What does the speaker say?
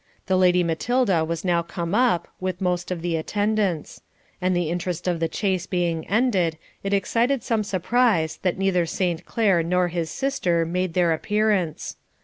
The Lady Matilda was now come up, with most of the attendants; and the interest of the chase being ended, it excited some surprise that neither Saint Clere nor his sister made their appearance.